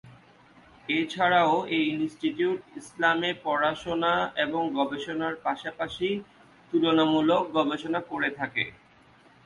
এছাড়াও এই ইনস্টিটিউট ইসলামে পড়াশোনা এবং গবেষণার পাশাপাশি তুলনামূলক গবেষণা করে থাকে।